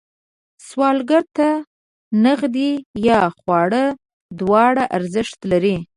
سوالګر ته نغدې یا خواړه دواړه ارزښت لري